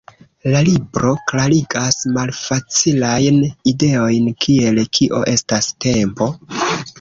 La libro klarigas malfacilajn ideojn, kiel "kio estas tempo?